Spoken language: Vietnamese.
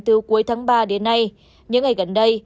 từ cuối tháng ba đến nay những ngày gần đây